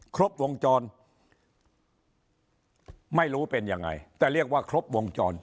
ครบวงจรไม่รู้เป็นยังไงแต่เรียกว่าครบวงจร